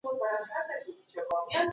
حکومت د خلګو حقونه ومنل.